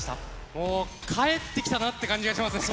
もう、帰ってきたなっていう感じがしますね。